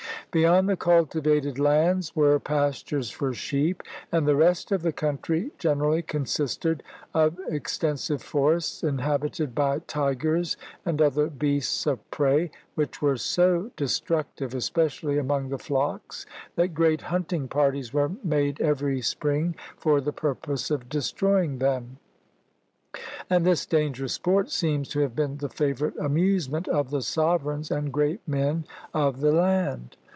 Beyond the cultivated lands were pastures for sheep; and the rest of the country generally consisted of extensive forests, inhabited by tigers and other beasts of prey, which were so destruc tive, especially among the flocks, that great hunting parties v/ere made every spring for the purpose of destroying them; and this dangerous sport seems to have been the favorite amusement of the sovereigns and great men of the land.